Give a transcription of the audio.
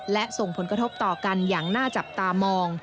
และส่งผลกระทบต่อกันอย่างน่าจับตามอง